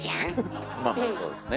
まあまあそうですね。